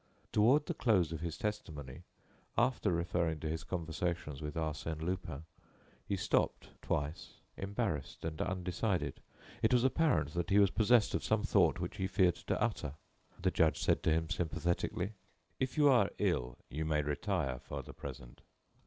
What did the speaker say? Toward the close of his testimony, after referring to his conversations with Arsène Lupin, he stopped, twice, embarrassed and undecided. It was apparent that he was possessed of some thought which he feared to utter. The judge said to him, sympathetically: "If you are ill, you may retire for the present."